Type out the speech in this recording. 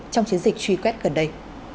trong chiến dịch truy quét gần đây